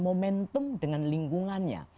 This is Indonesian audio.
momentum dengan lingkungannya